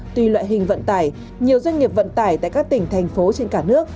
từ ba mươi năm bốn mươi năm tùy loại hình vận tải nhiều doanh nghiệp vận tải tại các tỉnh thành phố trên cả nước